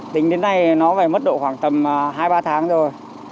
tính đến nay nó phải mất độ khoảng tầm hai ba tháng rồi